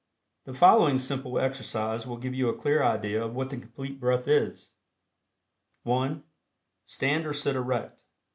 The following simple exercise will give you a clear idea of what the Complete Breath is: (1) Stand or sit erect.